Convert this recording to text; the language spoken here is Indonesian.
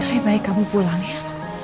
kali ini baik kamu pulang ya mama